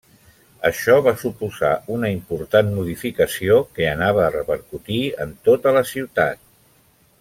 Això va suposar una important modificació que anava a repercutir en tota la ciutat.